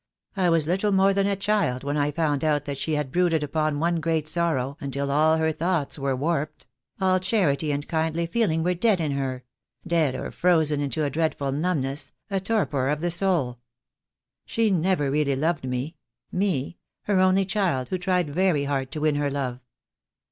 I was little more than a child when I found out that she had brooded upon one great sorrow until all her thoughts were warped — all charity and kindly feeling were dead in her — dead or frozen into a dreadful numbness, a torpor of the soul. She never really loved me — me, her only child, who tried very hard to win her love.